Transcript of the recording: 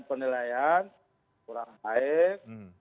penilaian kurang baik